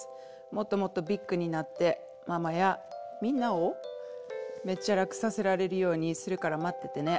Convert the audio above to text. もっともっとビッグになってママやみんなをめっちゃ楽させられるようにするから待っててね。